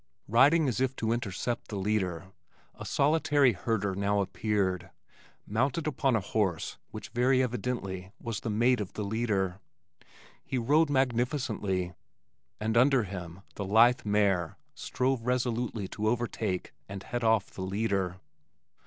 Riding as if to intercept the leader, a solitary herder now appeared, mounted upon a horse which very evidently was the mate of the leader. He rode magnificently, and under him the lithe mare strove resolutely to overtake and head off the leader.